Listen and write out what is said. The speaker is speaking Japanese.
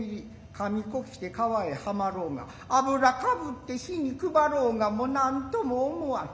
紙子着て川へはまろうが油かぶって火にくばろうがモウ何んとも思わぬ。